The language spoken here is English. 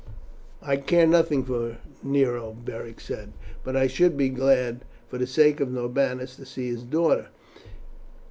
"I care nothing for Nero," Beric said; "but I should be glad, for the sake of Norbanus, to see his daughter.